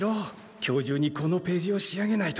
今日中にこのページを仕上げないと。